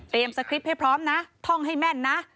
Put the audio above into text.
เตรียมสคริปให้พร้อมนะท่องให้แม่นนะ